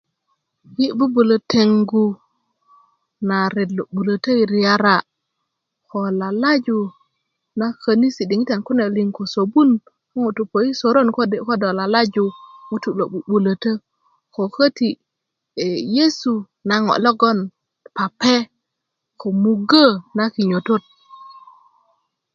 yi bubulö teŋgu na ret lo 'bulötö yi riyara' ko lalaju na könisi diŋitan kune liŋ ko sobun ko ŋutu' po yi soron kode' ko do lalaju ŋutu lo 'bu'bulötö ko köti ee yesu na ŋo' logon pape ko muggö na kinyotot